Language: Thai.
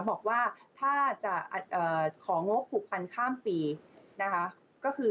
บอกว่าถ้าจะของกฎ๖๐๐๐ข้ามปีนะคะ